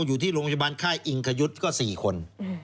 อยู่ที่โรงพยาบาลค่ายอิงคยุทธ์ก็๔คน